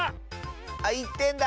あっ１てんだ！